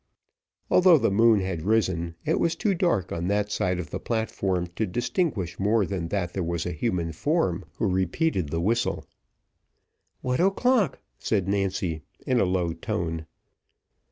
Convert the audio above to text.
Although the moon had risen, it was too dark on that side of the platform to distinguish more than that there was a human form, who repeated the whistle. "What's o'clock?" said Nancy, in a low tone.